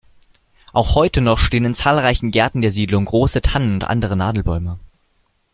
Auch heute noch stehen in zahlreichen Gärten der Siedlung große Tannen und andere Nadelbäume.